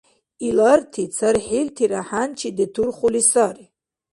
Иларти цархӀилтира хӀянчи детурхули сари.